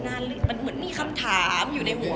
เหมือนมีคำถามอยู่ในหัว